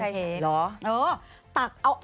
ใช่ใช่ร้อเออจริงเปล่าวี